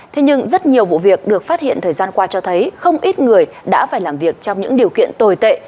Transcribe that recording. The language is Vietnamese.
thế nhưng rất nhiều vụ việc được phát hiện thời gian qua cho thấy không ít người đã phải làm việc trong những điều kiện tồi tệ